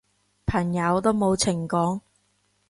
朋友都冇情講